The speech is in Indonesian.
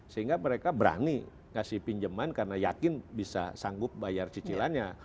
sehingga mereka berani kasih pinjaman karena yakin bisa sanggup bayar cicilannya